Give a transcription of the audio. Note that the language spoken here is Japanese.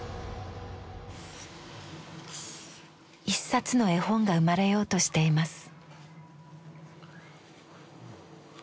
一冊の絵本が生まれようとしています。